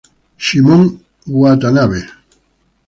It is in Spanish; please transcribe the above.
Shimon Watanabe